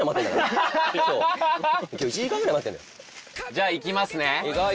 じゃあ行きますね。